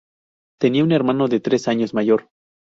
Tenía un hermano, tres años mayor.